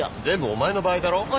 全部お前の場合だろ。